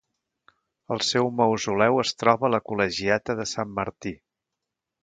El seu mausoleu es troba a la Col·legiata de Sant Martí.